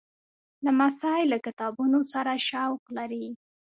لمسی له کتابونو سره شوق لري.